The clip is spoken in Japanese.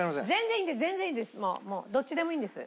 もうどっちでもいいんです。